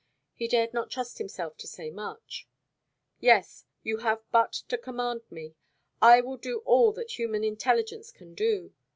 He dared not trust himself to say much. "Yes, you have but to command me. I will do all that human intelligence can do.